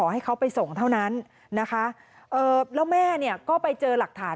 ให้เขาไปส่งเท่านั้นแล้วแม่ก็ไปเจอหลักฐาน